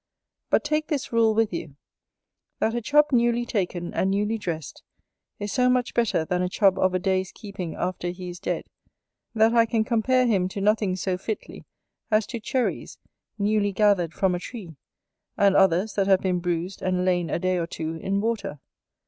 But take this rule with you, That a Chub newly taken and newly dressed, is so much better than a Chub of a day's keeping after he is dead, that I can compare him to nothing so fitly as to cherries newly gathered from a tree, and others that have been bruised and lain a day or two in water.